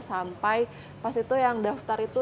sampai pas itu yang daftar itu